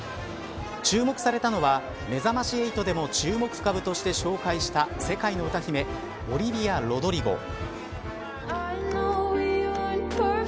注目されたのは、めざまし８でも注目株として紹介した世界の歌姫オリヴィア・ロドリゴ。